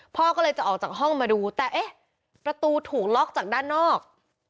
พ่อก็เลยจะออกจากห้องมาดูแต่เอ๊ะประตูถูกล็อกจากด้านนอก